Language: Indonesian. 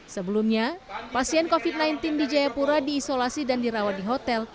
sebelumnya pasien covid sembilan belas di jayapura diisolasi dan dirawat di hotel